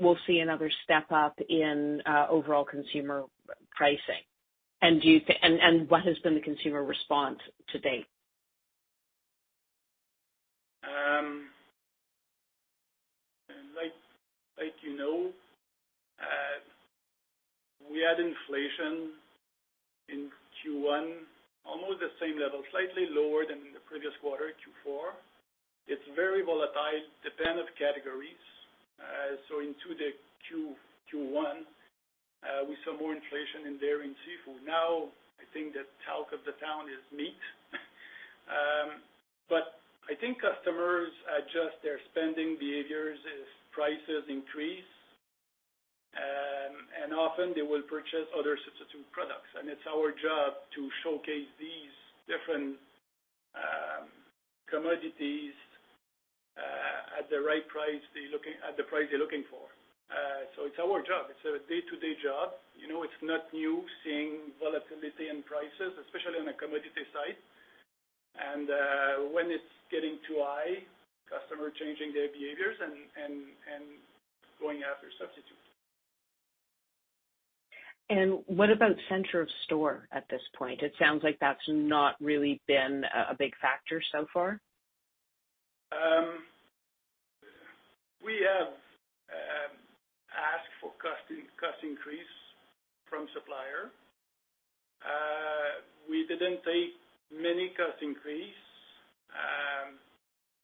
K: we'll see another step-up in overall consumer pricing? What has been the consumer response to date?
F: Like you know, we had inflation in Q1, almost the same level, slightly lower than in the previous quarter, Q4. It's very volatile, dependent categories. Into the Q1, we saw more inflation in dairy and seafood. I think the talk of the town is meat. I think customers adjust their spending behaviors as prices increase. Often they will purchase other substitute products, and it's our job to showcase these different commodities at the price they're looking for. It's our job. It's a day-to-day job. It's not new, seeing volatility in prices, especially on a commodity side. When it's getting too high, customer changing their behaviors and going after substitutes.
K: What about center of store at this point? It sounds like that's not really been a big factor so far.
F: We have asked for cost increase from supplier. We didn't take many cost increase.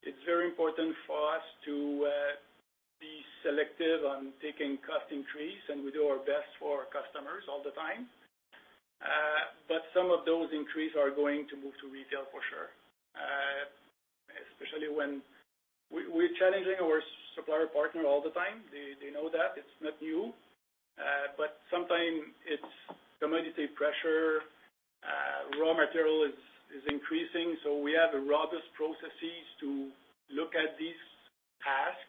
F: It's very important for us to be selective on taking cost increase, and we do our best for our customers all the time. Some of those increase are going to move to retail, for sure. We're challenging our supplier partner all the time. They know that, it's not new. Sometime it's commodity pressure, raw material is increasing. We have robust processes to look at these tasks,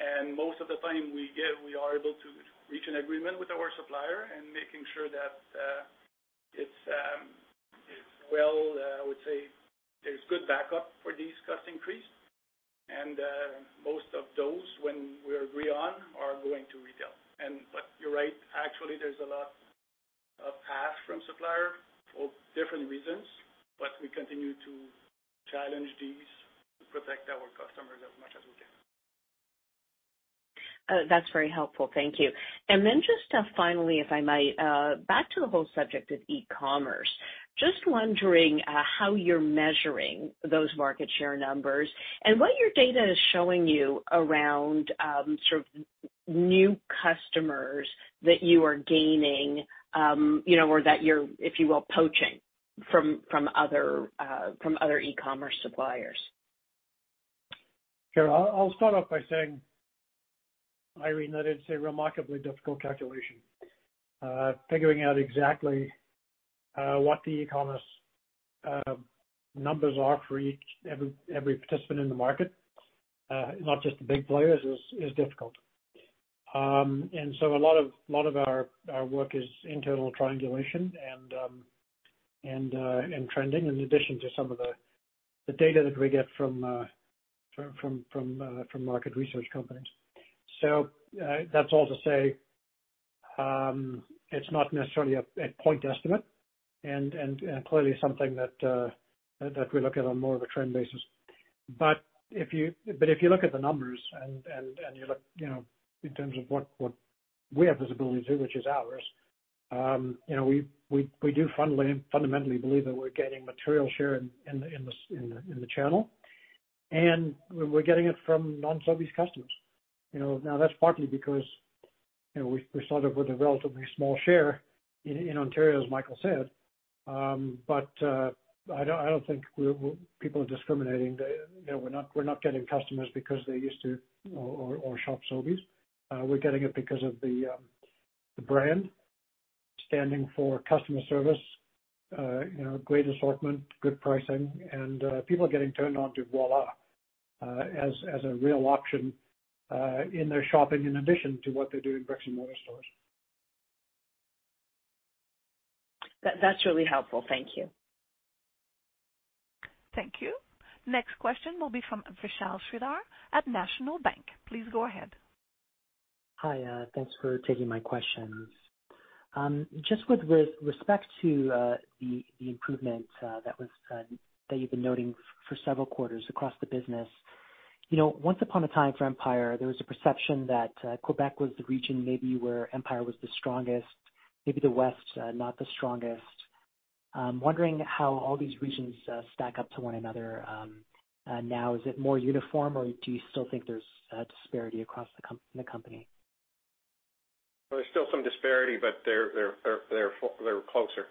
F: and most of the time we are able to reach an agreement with our supplier and making sure that it's, I would say, there's good backup for these cost increase, and most of those, when we agree on, are going to retail. You're right, actually, there's a lot of ask from supplier for different reasons, but we continue to challenge these to protect our customers as much as we can.
K: That's very helpful. Thank you. Then just finally, if I might, back to the whole subject of e-commerce, just wondering how you're measuring those market share numbers and what your data is showing you around new customers that you are gaining, or that you're, if you will, poaching from other e-commerce suppliers?
D: Sure. I'll start off by saying, Irene, that it's a remarkably difficult calculation. Figuring out exactly what the e-commerce numbers are for every participant in the market, not just the big players, is difficult. A lot of our work is internal triangulation and trending in addition to some of the data that we get from market research companies. That's all to say, it's not necessarily a point estimate and clearly something that we look at on more of a trend basis. If you look at the numbers and you look in terms of what we have visibility to, which is ours, we do fundamentally believe that we're gaining material share in the channel, and we're getting it from non-Sobeys customers. Now, that's partly because we started with a relatively small share in Ontario, as Michael said, I don't think people are discriminating. We're not getting customers because they used to or shop Sobeys. We're getting it because of the brand standing for customer service, great assortment, good pricing, and people are getting turned on to Voilà as a real option in their shopping in addition to what they do in bricks and mortar stores.
K: That's really helpful. Thank you.
A: Thank you. Next question will be from Vishal Shreedhar at National Bank. Please go ahead.
L: Hi. Thanks for taking my questions. Just with respect to the improvement that you've been noting for several quarters across the business. Once upon a time for Empire, there was a perception that Quebec was the region maybe where Empire was the strongest, maybe the West, not the strongest. I'm wondering how all these regions stack up to one another now. Is it more uniform, or do you still think there's a disparity across the company?
C: There's still some disparity, but they're closer.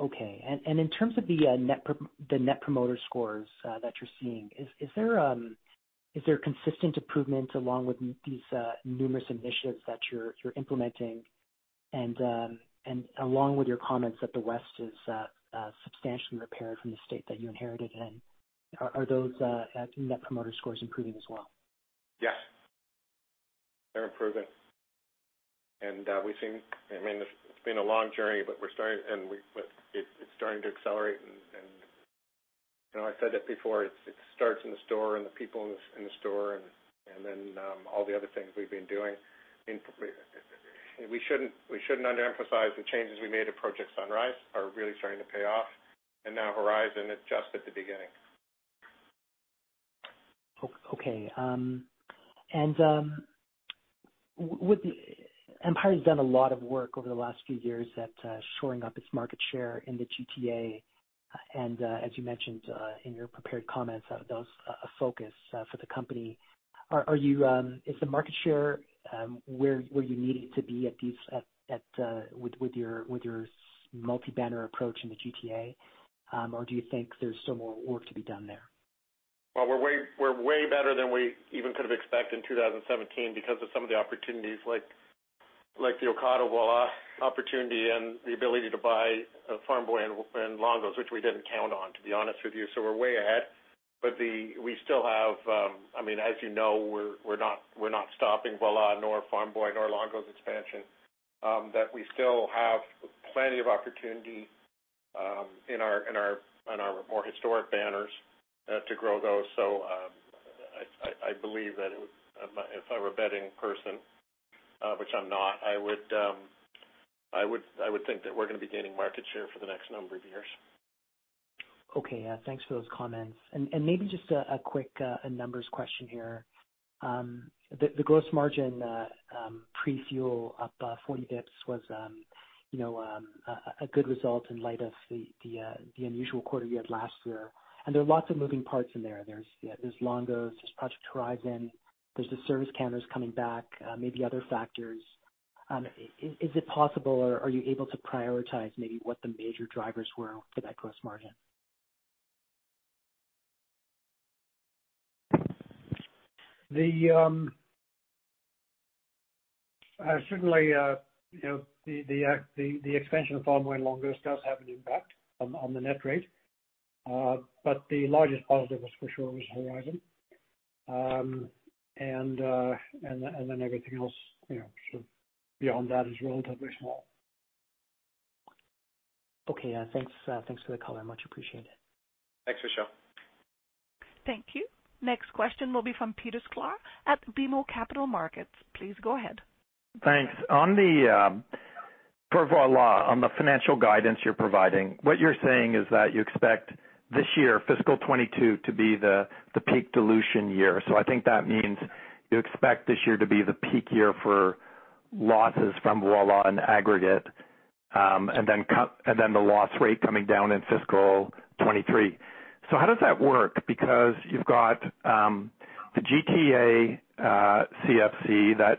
L: Okay. In terms of the Net Promoter Scores that you're seeing, is there a consistent improvement along with these numerous initiatives that you're implementing and along with your comments that the West is substantially repaired from the state that you inherited in, are those Net Promoter Scores improving as well?
C: Yes. They're improving. It's been a long journey, but it's starting to accelerate, and I said it before, it starts in the store and the people in the store, and then all the other things we've been doing. We shouldn't underemphasize the changes we made at Project Sunrise are really starting to pay off. Now Horizon is just at the beginning.
L: Okay. Empire's done a lot of work over the last few years at shoring up its market share in the GTA, and, as you mentioned in your prepared comments, that was a focus for the company. Is the market share where you need it to be with your multi-banner approach in the GTA, or do you think there's still more work to be done there?
C: Well, we're way better than we even could have expected in 2017 because of some of the opportunities like the Ocado Voilà opportunity and the ability to buy Farm Boy and Longo's, which we didn't count on, to be honest with you. We're way ahead. As you know, we're not stopping Voilà, nor Farm Boy, nor Longo's expansion, that we still have plenty of opportunity in our more historic banners to grow those. I believe that if I were a betting person, which I'm not, I would think that we're going to be gaining market share for the next number of years.
L: Okay. Thanks for those comments. Maybe just a quick numbers question here. The gross margin pre-fuel up 40 basis points was a good result in light of the unusual quarter you had last year, and there are lots of moving parts in there. There's Longo's, there's Project Horizon, there's the service counters coming back, maybe other factors. Is it possible, or are you able to prioritize maybe what the major drivers were for that gross margin?
D: Certainly, the expansion of Farm Boy and Longo's does have an impact on the net rate. The largest positive for sure was Horizon. Everything else beyond that is relatively small.
L: Okay. Thanks for the color. Much appreciated.
C: Thanks, Vishal.
A: Thank you. Next question will be from Peter Sklar at BMO Capital Markets. Please go ahead.
M: Thanks. On the Voilà, on the financial guidance you're providing, what you're saying is that you expect this year, fiscal 2022, to be the peak dilution year. I think that means you expect this year to be the peak year for losses from Voilà in aggregate, and then the loss rate coming down in fiscal 2023. How does that work? Because you've got the GTA CFC that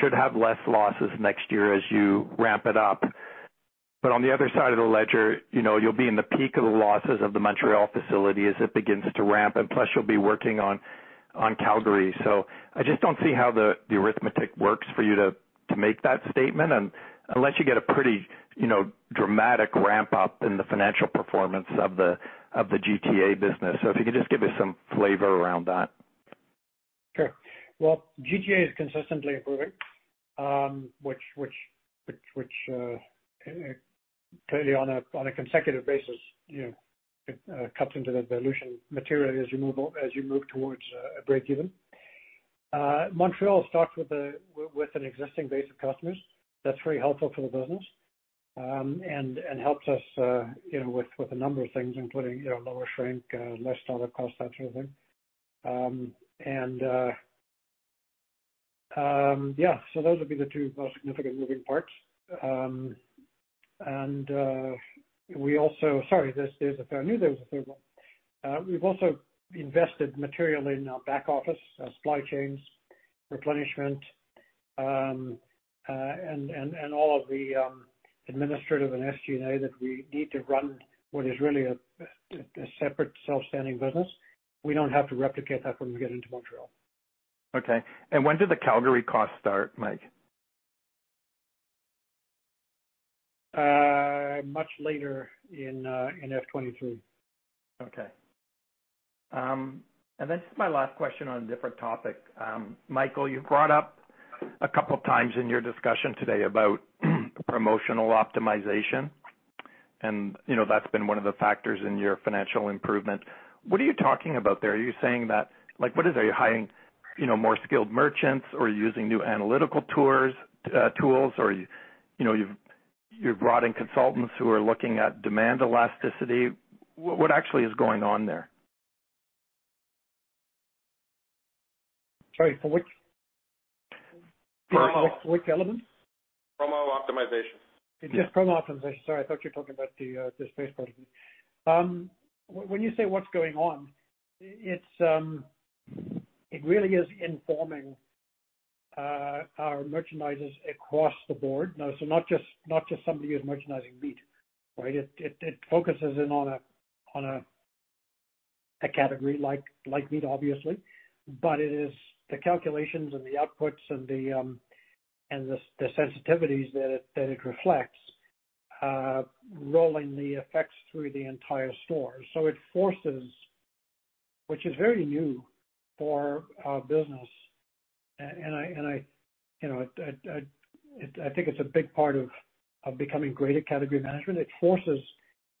M: should have less losses next year as you ramp it up. On the other side of the ledger, you'll be in the peak of the losses of the Montreal facility as it begins to ramp, and plus you'll be working on Calgary. I just don't see how the arithmetic works for you to make that statement, unless you get a pretty dramatic ramp-up in the financial performance of the GTA business. If you could just give me some flavor around that.
D: Sure. GTA is consistently improving, which clearly on a consecutive basis, it cuts into the dilution materially as you move towards a break-even. Montreal starts with an existing base of customers. That's very helpful for the business. Helps us with a number of things, including lower shrink, less dollar cost, that sort of thing. Yeah, those would be the two most significant moving parts. We also. Sorry, there's a third. I knew there was a third one. We've also invested materially in our back office, supply chains, replenishment, and all of the administrative and SG&A that we need to run what is really a separate self-standing business. We don't have to replicate that when we get into Montreal.
M: Okay. When do the Calgary costs start, Mike?
D: Much later in F 2023.
M: Okay. Just my last question on a different topic. Michael, you've brought up a couple of times in your discussion today about promotional optimization, and that's been one of the factors in your financial improvement. What are you talking about there? Are you saying, like, what is it, are you hiring more skilled merchants, or are you using new analytical tools or you've brought in consultants who are looking at demand elasticity? What actually is going on there?
D: Sorry, for which element?
M: Promo optimization.
D: Yes, promo optimization. Sorry, I thought you were talking about the space part of it. When you say what's going on, it really is informing our merchandisers across the board. Not just somebody who's merchandising meat, right? It focuses in on a category like meat, obviously, but it is the calculations and the outputs and the sensitivities that it reflects, rolling the effects through the entire store. It forces, which is very new for our business, and I think it's a big part of becoming great at category management. It forces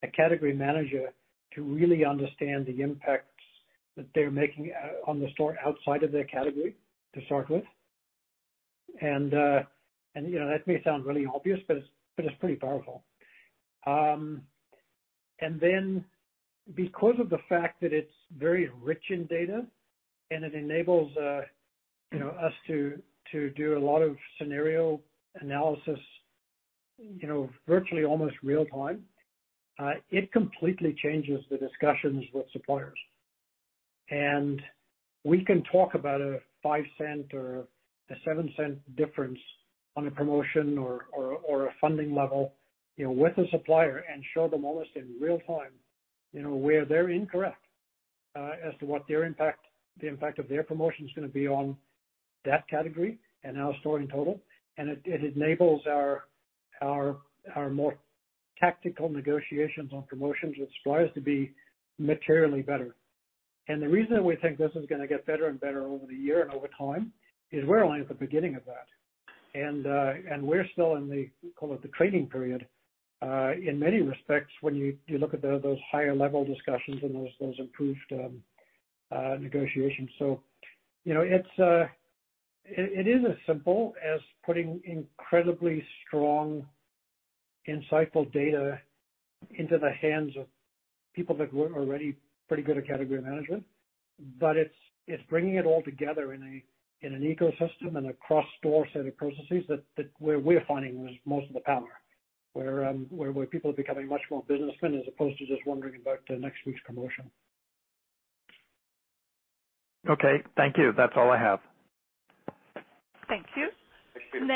D: a category manager to really understand the impacts that they're making on the store outside of their category to start with. That may sound really obvious, but it's pretty powerful. Because of the fact that it's very rich in data and it enables us to do a lot of scenario analysis virtually almost real time, it completely changes the discussions with suppliers. We can talk about a 0.05 or a 0.07 difference on a promotion or a funding level with a supplier and show them almost in real time where they're incorrect as to what the impact of their promotion is going to be on that category and our store in total. It enables our more tactical negotiations on promotions with suppliers to be materially better. The reason we think this is going to get better and better over the year and over time is we're only at the beginning of that. We're still in the, we call it the training period, in many respects, when you look at those higher-level discussions and those improved negotiations. It is as simple as putting incredibly strong, insightful data into the hands of people that were already pretty good at category management. It's bringing it all together in an ecosystem and across store set of processes that where we're finding most of the power, where people are becoming much more businessmen as opposed to just wondering about next week's promotion.
M: Okay. Thank you. That's all I have.
A: Thank you.
M: Thank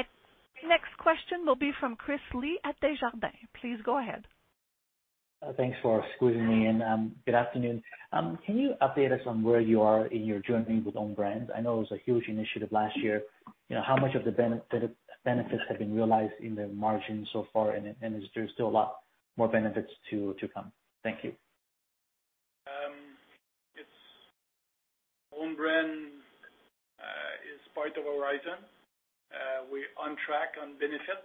M: you.
A: Next question will be from Chris Li at Desjardins. Please go ahead.
N: Thanks for squeezing me in. Good afternoon. Can you update us on where you are in your journey with own brands? I know it was a huge initiative last year. How much of the benefits have been realized in the margin so far, and is there still a lot more benefits to come? Thank you.
F: Own brand is part of Horizon. We're on track on benefit.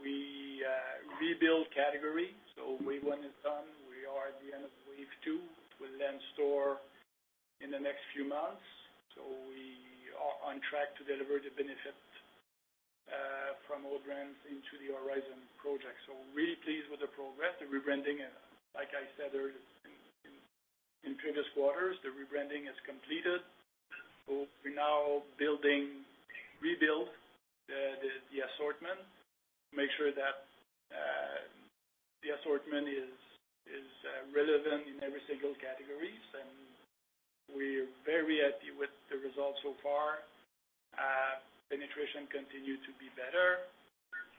F: We rebuild category, wave one is done. We are at the end of wave two, will then store in the next few months. We are on track to deliver the benefit from own brands into Project Horizon. Really pleased with the progress, the rebranding, and like I said in previous quarters, the rebranding is completed. We're now rebuild the assortment, make sure that the assortment is relevant in every single categories. We're very happy with the results so far. Penetration continued to be better.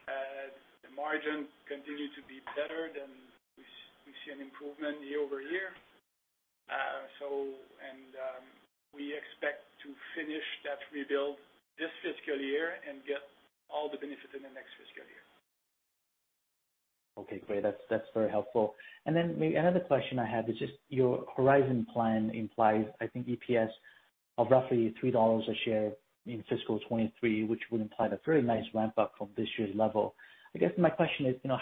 F: The margin continued to be better. We see an improvement year-over-year. We expect to finish that rebuild this fiscal year and get all the benefit in the next fiscal year.
N: Okay, great. That's very helpful. Another question I have is your Horizon plan implies, I think, EPS of roughly 3 dollars a share in fiscal 2023, which would imply a very nice ramp-up from this year's level.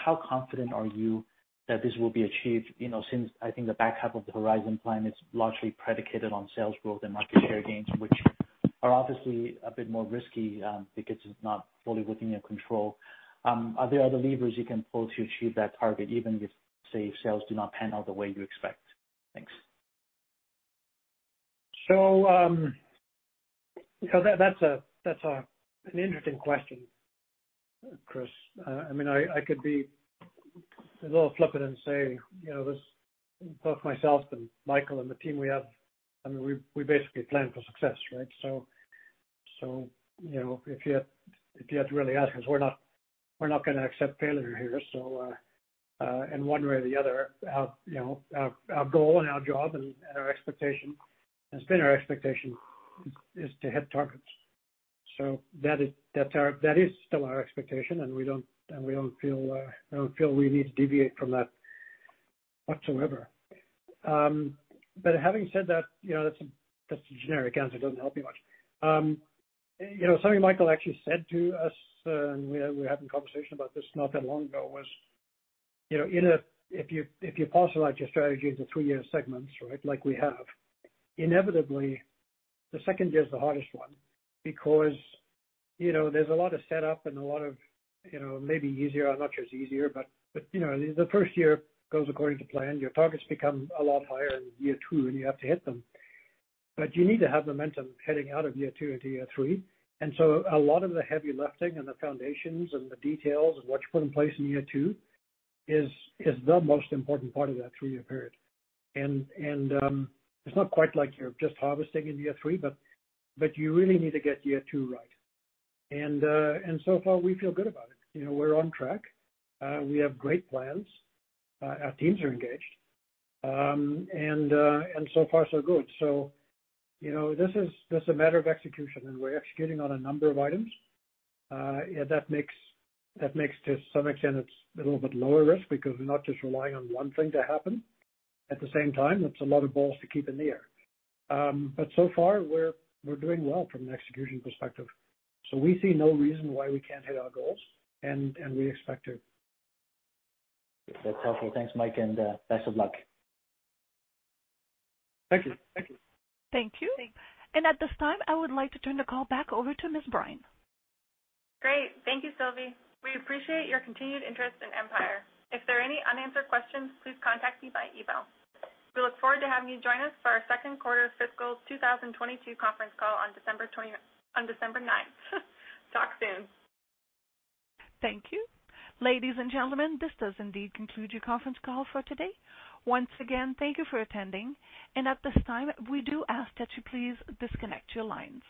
N: How confident are you that this will be achieved, since I think the back half of the Horizon plan is largely predicated on sales growth and market share gains, which are obviously a bit more risky because it's not fully within your control. Are there other levers you can pull to achieve that target, even if, say, sales do not pan out the way you expect? Thanks.
D: That's an interesting question, Chris. I could be a little flippant and say, both myself and Michael and the team we have, we basically plan for success, right? If you had to really ask us, we're not going to accept failure here. In one way or the other, our goal and our job and our expectation, it's been our expectation, is to hit targets. That is still our expectation, and we don't feel we need to deviate from that whatsoever. Having said that's a generic answer. It doesn't help you much. Something Michael actually said to us, we were having a conversation about this not that long ago, was if you parcel out your strategy into three-year segments, right, like we have, inevitably, the second year is the hardest one because there's a lot of setup and a lot of, maybe easier or not just easier, but the first year goes according to plan. Your targets become a lot higher in year two, and you have to hit them. You need to have momentum heading out of year two into year three. A lot of the heavy lifting and the foundations and the details and what you put in place in year two is the most important part of that three-year period. It's not quite like you're just harvesting in year three, but you really need to get year two right. So far, we feel good about it. We're on track. We have great plans. Our teams are engaged. So far, so good. This is just a matter of execution, and we're executing on a number of items. That makes, to some extent, it's a little bit lower risk because we're not just relying on one thing to happen. At the same time, that's a lot of balls to keep in the air. So far we're doing well from an execution perspective. We see no reason why we can't hit our goals, and we expect to.
N: That's helpful. Thanks, Mike, and best of luck.
D: Thank you.
A: Thank you. At this time, I would like to turn the call back over to Miss Brine.
B: Great. Thank you, Sylvie. We appreciate your continued interest in Empire. If there are any unanswered questions, please contact me by email. We look forward to having you join us for our second quarter of fiscal 2022 conference call on December 9th. Talk soon.
A: Thank you. Ladies and gentlemen, this does indeed conclude your conference call for today. Once again, thank you for attending. At this time, we do ask that you please disconnect your lines.